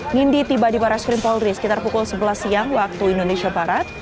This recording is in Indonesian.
nindi tiba di barat skrimpolri sekitar pukul sebelas siang waktu indonesia barat